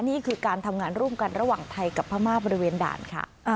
นี่คือการทำงานร่วมกันระหว่างไทยกับพม่าบริเวณด่านค่ะ